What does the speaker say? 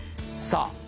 さあ